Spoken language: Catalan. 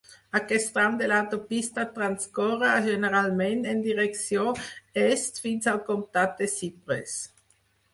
Aquest tram de l'autopista transcorre generalment en direcció est fins al comtat de Cypress.